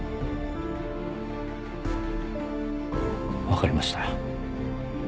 分かりました。